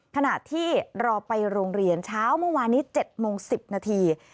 ขณะที่รอไปโรงเรียนเช้าเมื่อวานนี้๗โมง๑๐นาที